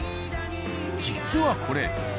実はこれ。